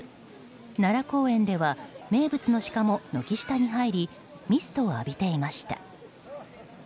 奈良公園では名物のシカも軒下に入りミストを浴びていました。